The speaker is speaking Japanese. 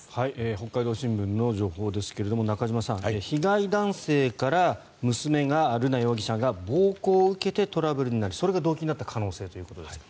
北海道新聞の情報ですけど中島さん、被害男性から娘が、瑠奈容疑者が暴行を受けてトラブルになりそれが動機になった可能性ということですが。